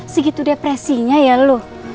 segitu depresinya ya lu